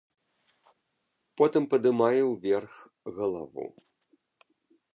Потым падымае ўверх галаву.